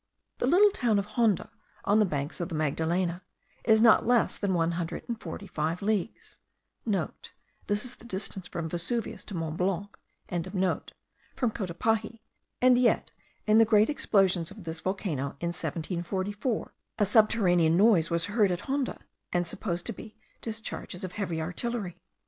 The little town of Honda, on the banks of the Magdalena, is not less than one hundred and forty five leagues* (* This is the distance from Vesuvius to Mont Blanc.) from Cotopaxi; and yet, in the great explosions of this volcano, in 1744, a subterranean noise was heard at Honda, and supposed to be discharges of heavy artillery.